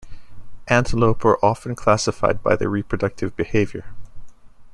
Antelope are often classified by their reproductive behavior.